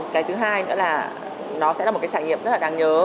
cái thứ hai nữa là nó sẽ là một cái trải nghiệm rất là đáng nhớ